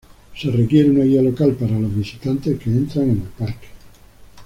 Se requiere un guía local para los visitantes que entran en el parque.